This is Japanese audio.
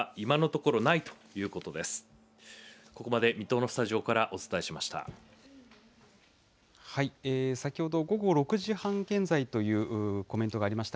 ここまで、水戸のスタジオからお伝えしました。